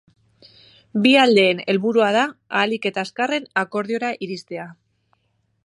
Bi aldeen helburua da ahalik eta azkarren akordiora iristea.